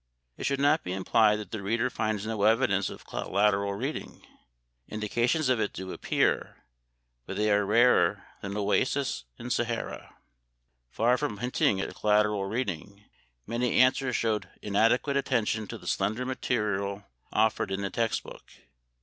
It should not be implied that the reader finds no evidence of collateral reading. Indications of it do appear, but they are rarer than oases in Sahara. Far from hinting at collateral reading, many answers showed inadequate attention to the slender material offered in the text book.